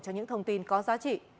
cho những thông tin có giá trị